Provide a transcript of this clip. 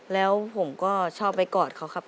แล้วผมก็ชอบไปกอดเขาครับ